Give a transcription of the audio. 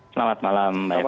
selamat malam mbak eva